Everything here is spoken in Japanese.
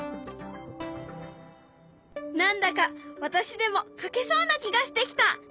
何だか私でも描けそうな気がしてきた。